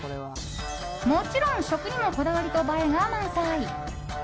もちろん食にもこだわりと映えが満載。